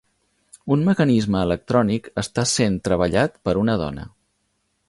Un mecanisme electrònic està sent treballat per una dona.